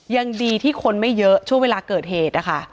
ยังดีที่คนไม่เยอะช่วงเวลาเกิดเหตุนะคะ